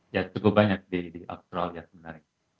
ya cukup banyak di australia sebenarnya